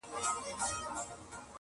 هم په دام کي وه دانه هم غټ ملخ وو -